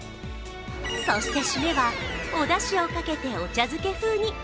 そして、締めは、おだしをかけてお茶漬け風に。